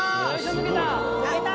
抜けた！